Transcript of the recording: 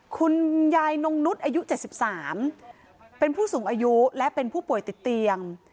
คุณยายนงนุษย์อายุ๗๓เป็นผู้สูงอายุและเป็นผู้ป่วยติดเตียง